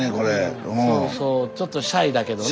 そうそうちょっとシャイだけどね。